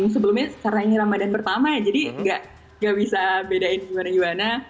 sebelumnya karena ini ramadan pertama ya jadi gak bisa bedain gimana gimana